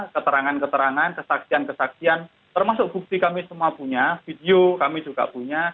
keterangan keterangan kesaksian kesaksian termasuk bukti kami semua punya video kami juga punya